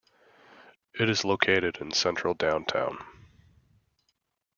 It is located in central Downtown.